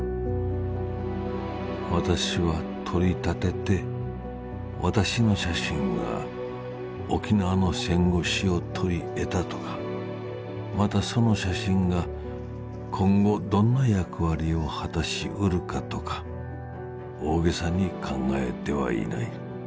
「私は取り立てて私の写真が沖縄の戦後史を撮りえたとかまたその写真が今後どんな役割を果たしうるかとか大げさに考えてはいない。